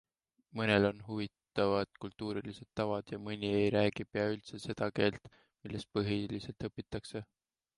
Mõnel on huvitavad kultuurilised tavad ja mõni ei räägi pea üldse seda keelt, milles põhiliselt õpitakse.